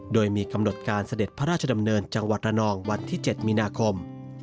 โดยมีกำหนดการเสด็จพระราชดำเนินจังหวัดระนองวันที่๗มีนาคม